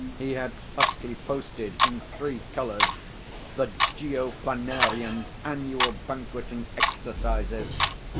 He had Huckley posted in three colours, "The Geoplanarians' Annual Banquet and Exercises."